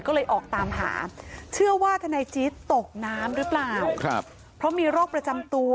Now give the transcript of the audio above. ก็เลยออกตามหาเชื่อว่าทนายจี๊ดตกน้ำหรือเปล่าครับเพราะมีโรคประจำตัว